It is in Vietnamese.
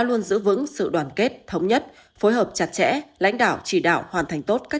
luôn giữ vững sự đoàn kết thống nhất phối hợp chặt chẽ lãnh đạo chỉ đạo hoàn thành tốt các